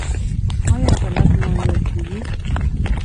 ایا عضلات مو نیول کیږي؟